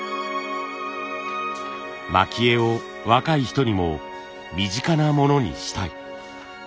蒔絵を若い人にも身近なものにしたい。